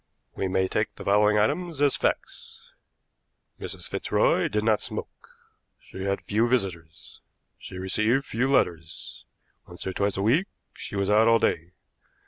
We may take the following items as facts: Mrs. Fitzroy did not smoke. She had few visitors. She received few letters. Once or twice a week she was out all day.